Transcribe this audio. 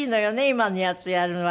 今のやつやるの。